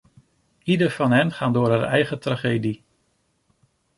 Ieder van hen gaan door haar eigen tragedie.